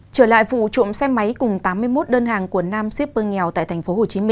trở lại vụ trộm xe máy cùng tám mươi một đơn hàng của nam shipper nghèo tại tp hcm